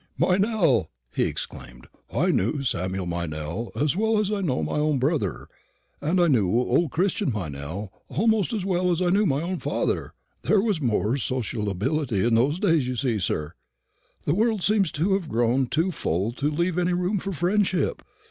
"Meynell!" he exclaimed; "I knew Sam Meynell as well as I knew my own brother, and I knew old Christian Meynell almost as well as I knew my own father. There was more sociability in those days, you see, sir. The world seems to have grown too full to leave any room for friendship.